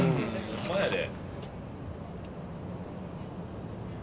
ホンマやで。